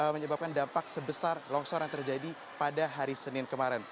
menyebabkan dampak sebesar longsor yang terjadi pada hari senin kemarin